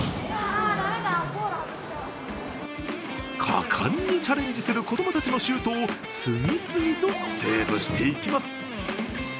果敢にチャレンジする子供たちのシュートを次々とセーブしていきます。